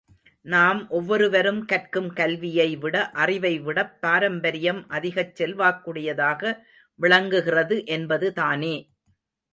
நாம் ஒவ்வொருவரும் கற்கும் கல்வியை விட அறிவை விடப் பாரம்பரியம் அதிகச் செல்வாக்குடையதாக விளங்குகிறது என்பதுதானே!